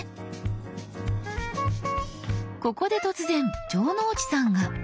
ここで突然城之内さんが。